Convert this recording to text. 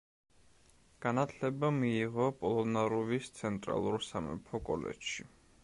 განათლება მიიღო პოლონარუვის ცენტრალურ სამეფო კოლეჯში.